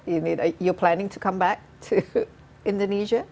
anda berharap untuk kembali ke indonesia